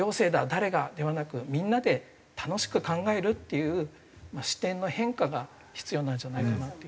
「誰が」ではなくみんなで楽しく考えるっていう視点の変化が必要なんじゃないかなっていう。